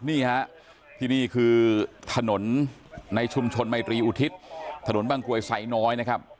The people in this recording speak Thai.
นี่ฮะที่นี่คือถนนในชุมชนไมตรีอุทิศถนนบางกรวยไซน้อยนะครับ